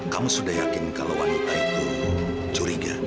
kamu sudah yakin kalau wanita itu curiga